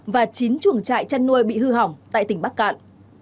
và chín chuồng trại chăn nuôi bị hư hỏng tại tỉnh bắc cạn